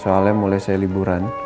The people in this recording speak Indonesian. soalnya mulai saya liburan